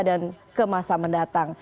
dan ke masa mendatang